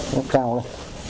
rút cao lên